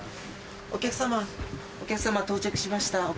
お客様お客様到着しました。